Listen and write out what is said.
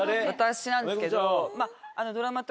私なんですけど。